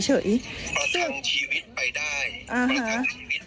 ประทั้งชีวิตไปได้เท่านั้นเอง